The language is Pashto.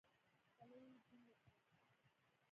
خوله يې جينګه سوه.